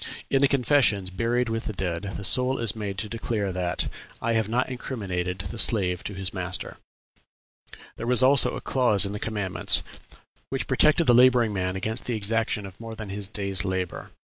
In the confessions, buried with the dead, the soul is made to declare that "I have not incriminated the slave to his master," There was also a clause in the commandments "which protected the laboring man against the exaction of more than his day's labor."